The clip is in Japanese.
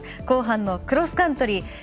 後半のクロスカントリー。